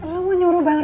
lu mau nyuruh bang reza